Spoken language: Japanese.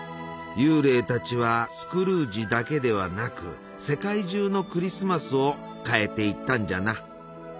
幽霊たちはスクルージだけではなく世界中のクリスマスを変えていったんじゃな。